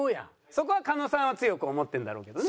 そこは狩野さんは強く思ってるだろうけどね。